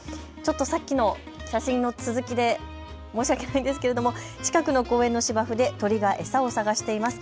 さっきの写真の続きで申し訳ないんですけれども近くの公園の芝生で鳥が餌を探しています。